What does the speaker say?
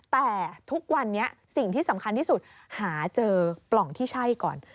แต่ทุกวันนี้สิ่งที่สำคัญที่สุดหาเจอปล่องที่ใช่ก่อน